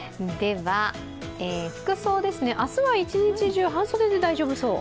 服装ですね、明日は一日中半袖で大丈夫そう？